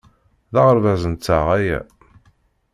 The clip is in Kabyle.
D aɣerbaz-nteɣ aya.